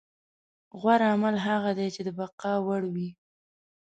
غوره عمل هغه دی چې د بقا وړ وي.